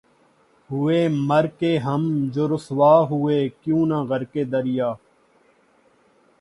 ہوئے مر کے ہم جو رسوا ہوئے کیوں نہ غرقِ دریا